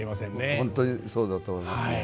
本当にそうだと思います。